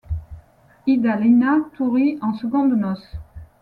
Idálina Turri en secondes noces.